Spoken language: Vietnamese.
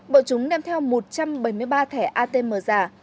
bọn chúng đem theo một trăm bảy mươi ba thẻ atm giả